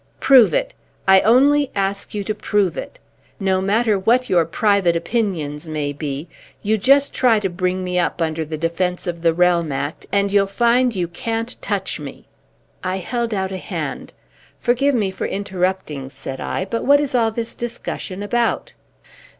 "Prove it. I only ask you to prove it. No matter what my private opinions may be, you just try to bring me up under the Defence of the Realm Act, and you'll find you can't touch me." I held out a hand. "Forgive me for interrupting," said I, "but what is all this discussion about?"